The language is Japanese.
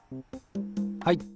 はい。